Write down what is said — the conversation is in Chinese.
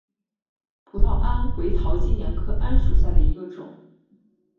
葡萄桉为桃金娘科桉属下的一个种。